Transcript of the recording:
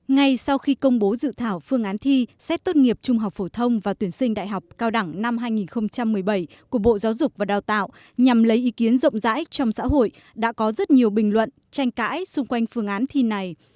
ngay sau khi công bố dự thảo phương án thi xét tốt nghiệp trung học phổ thông và tuyển sinh đại học cao đẳng năm hai nghìn một mươi bảy của bộ giáo dục và đào tạo nhằm lấy ý kiến rộng rãi trong xã hội đã có rất nhiều bình luận tranh cãi xung quanh phương án thi này